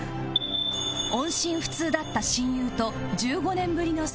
音信不通だった親友と１５年ぶりの再会